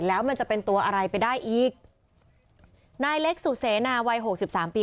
แล้วมันจะเป็นตัวอะไรไปได้อีกนายเล็กสุเสนาวัยหกสิบสามปี